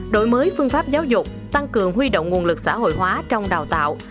đổi mới phương pháp giáo dục tăng cường huy động nguồn lực xã hội hóa trong đào tạo